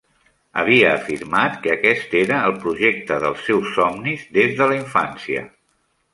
Havia afirmat que aquest era el projecte dels seus somnis des de la infància